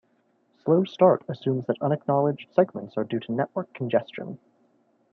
Slow start assumes that unacknowledged segments are due to network congestion.